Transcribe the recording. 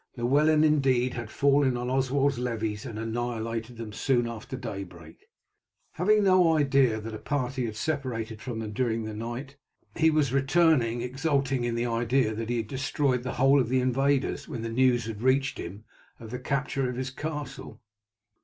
Llewellyn, indeed, had fallen on Oswald's levies and annihilated them soon after daybreak. Having no idea that a party had separated from them during the night, he was returning exulting in the idea that he had destroyed the whole of the invaders, when the news had reached him of the capture of his castle.